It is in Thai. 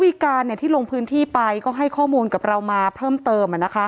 มีการที่ลงพื้นที่ไปก็ให้ข้อมูลกับเรามาเพิ่มเติม